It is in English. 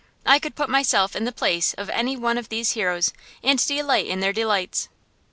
I could put myself in the place of any one of these heroes, and delight in their delights.